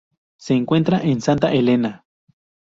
Se encuentra en Santa Helena.